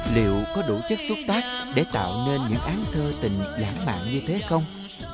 liệu có đủ chất xúc tác để tạo nên những án thơ tình lãng mạn như thế không